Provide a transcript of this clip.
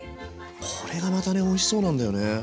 これがまたねおいしそうなんだよね。